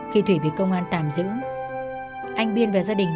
khi thủy bị công an tạm giữ anh biên và gia đình